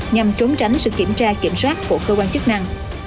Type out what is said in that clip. nhằm trốn tránh sự kiểm tra kiểm soát của cơ quan chức năng